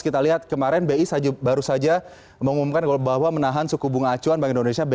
kita lihat kemarin bi baru saja mengumumkan bahwa menahan suku bunga acuan bank indonesia